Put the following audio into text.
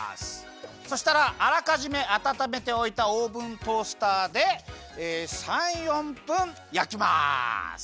そしたらあらかじめあたためておいたオーブントースターで３４分やきます。